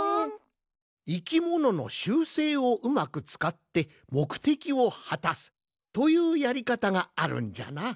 いきものの習性をうまくつかってもくてきをはたすというやりかたがあるんじゃな。